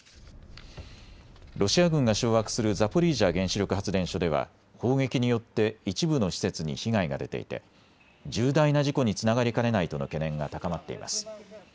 ロシア軍が掌握するザポリージャ原子力発電所では砲撃によって一部の施設に被害が出ていて重大な事故につながりかねないとの懸念が高まっています。